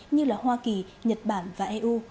như là hoa kỳ nhật bản và eu